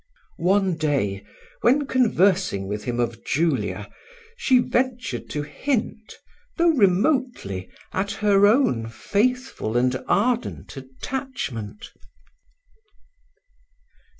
One day, when conversing with him of Julia, she ventured to hint, though remotely, at her own faithful and ardent attachment.